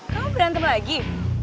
kamu berantem lagi